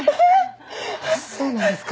そうなんですか？